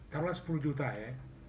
tahu lah sepuluh juta ya